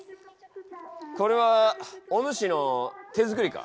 これはお主の手作りか？